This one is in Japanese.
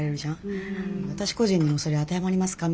私個人にもそれ当てはまりますか？